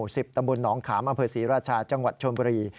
สิบตะบุญน้องขามอเผิดศรีราชาจังหวัดชนบุรี